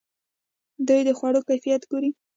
دوی د خوړو کیفیت ګوري.